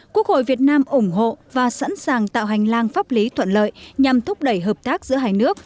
quốc hội việt nam ủng hộ và sẵn sàng tạo hành lang pháp lý thuận lợi nhằm thúc đẩy hợp tác giữa hai nước